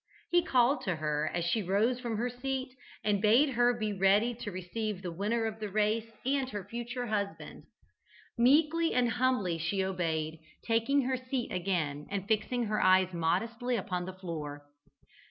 He called to her as she rose from her seat and bade her be ready to receive the winner of the race and her future husband. Meekly and humbly she obeyed, taking her seat again, and fixing her eyes modestly upon the floor.